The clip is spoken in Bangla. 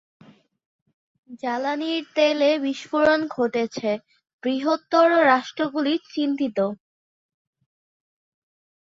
জ্বালানী তেলে বিস্ফোরণ ঘটছে, বৃহত্তর রাষ্ট্র গুলি চিন্তিত।